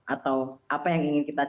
atau apa yang ingin kita